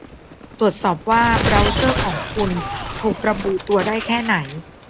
ตรวจสอบว่า เบราว์เซอร์ของคุณ ถูกระบุตัวได้แค่ไหน